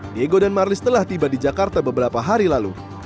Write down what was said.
diego dan marlis telah tiba di jakarta beberapa hari lalu